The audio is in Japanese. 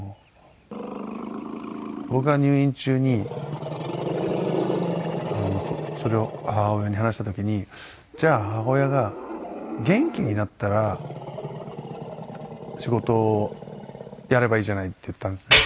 僕が入院中にそれを母親に話した時にじゃあ母親が「元気になったら仕事をやればいいじゃない」って言ったんですね。